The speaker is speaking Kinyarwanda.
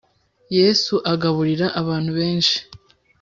yesu agaburira abantu benshi